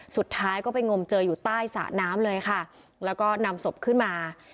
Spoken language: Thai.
สุดท้ายก็ไปงมเจออยู่ใต้สระน้ำเลยค่ะแล้วก็นำศพขึ้นมา